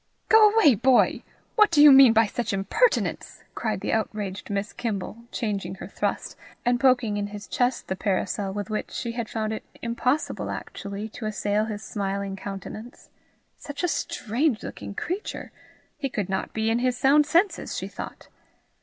"Go away, boy! What do you mean by such impertinence?" cried the outraged Miss Kimble, changing her thrust, and poking in his chest the parasol with which she had found it impossible actually to assail his smiling countenance. Such a strange looking creature! He could not be in his sound senses, she thought.